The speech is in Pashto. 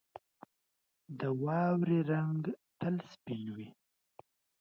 • د واورې رنګ تل سپین وي.